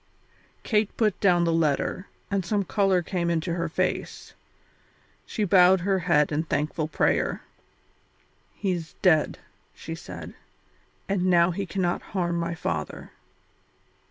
Kate put down the letter and some colour came into her face; she bowed her head in thankful prayer. "He is dead," she said, "and now he cannot harm my father."